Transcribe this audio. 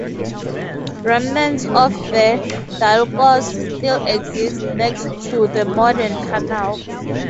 Remnants of the "Diolkos" still exist next to the modern canal.